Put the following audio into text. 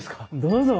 どうぞ。